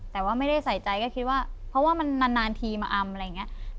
แต่ว่าไม่ได้ใส่ใจก็คิดว่าเพราะว่ามันนานทีมาอำอะไรอย่างนี้